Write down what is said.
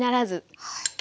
はい。